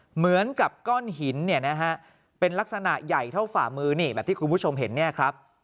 เหมือนกับก้อนหินเนี่ยนะฮะเป็นลักษณะใหญ่เท่าฝ่ามือนี่แบบที่คุณผู้ชมเห็นเนี่ยครับ